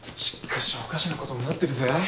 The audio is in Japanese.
しっかしおかしなことになってるぜ。